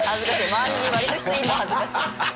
周りに割と人いるの恥ずかしい。